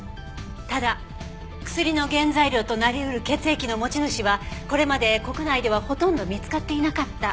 ただ薬の原材料となり得る血液の持ち主はこれまで国内ではほとんど見つかっていなかった。